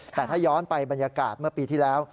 แต่ถ้าย้อนไปบรรยากาศเมื่อปีที่แล้ว